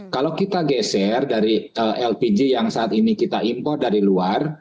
kalau kita geser dari lpg yang saat ini kita impor dari luar